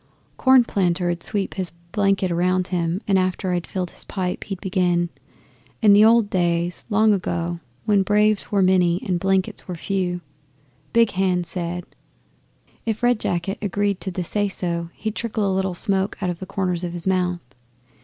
Cornplanter 'ud sweep his blanket round him, and after I'd filled his pipe he'd begin "In the old days, long ago, when braves were many and blankets were few, Big Hand said " If Red Jacket agreed to the say so he'd trickle a little smoke out of the corners of his mouth.